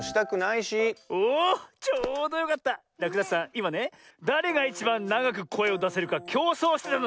いまねだれがいちばんながくこえをだせるかきょうそうしてたのよ。